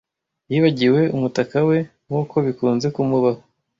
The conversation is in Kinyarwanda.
Yibagiwe umutaka we, nkuko bikunze kumubaho.